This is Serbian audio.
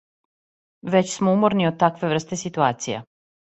Већ смо уморни од такве врсте ситуација.